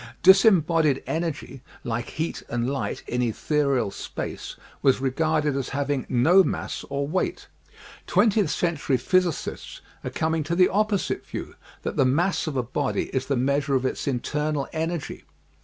Disembodied energy, like heat and light in ethereal space, was regarded as having no mass or weight. Twentieth century physicists are coming to the opposite view, that the mass of a body is the measure of its internal energy.